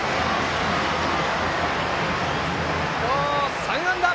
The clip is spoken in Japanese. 今日３安打！